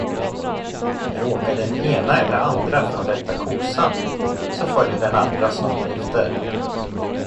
Råkar den ena eller andra från rätta kosan, så följer den andra snart efter.